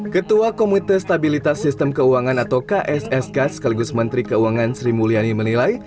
ketua komite stabilitas sistem keuangan atau kssk sekaligus menteri keuangan sri mulyani menilai